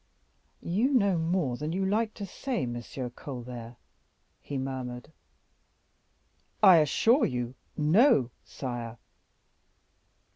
"You know more than you like to say, M. Colbert," he murmured. "I assure you, no, sire."